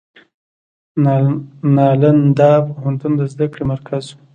نالندا پوهنتون د زده کړې مرکز و.